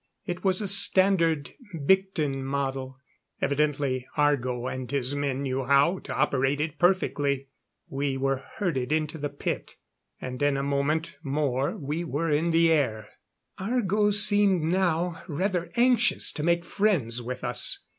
It was a standard Byctin model evidently Argo and his men knew how to operate it perfectly. We were herded into the pit, and in a moment more were in the air. Argo seemed now rather anxious to make friends with us.